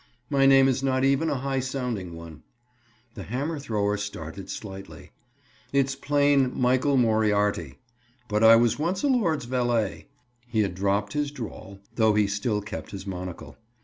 "My name is not even a high sounding one." The hammer thrower started slightly. "It's plain Michael Moriarity. But I was once a lord's valet." He had dropped his drawl, though he still kept his monocle.